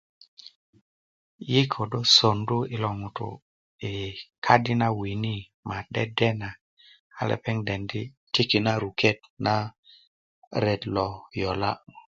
Yi' ködö sondu yilo ŋutu' yI kadi na wini ma dedena a lepeŋ dendi tiki' na ruket na ret lo yola'